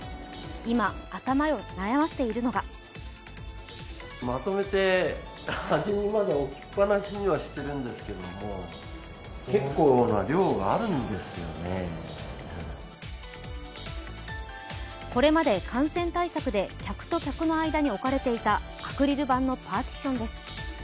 今、頭を悩ませているのはこれまで感染対策で客と客の間に置かれていたアクリル板のパーティションです。